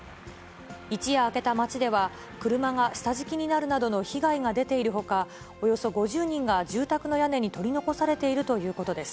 一夜明けた街では、車が下敷きになるなどの被害が出ているほか、およそ５０人が住宅の屋根に取り残されているということです。